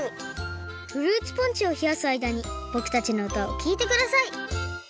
フルーツポンチをひやすあいだにぼくたちのうたをきいてください！